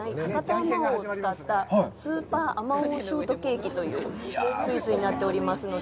あまおうを使ったスーパーあまおうショートケーキというスイーツになっておりますので。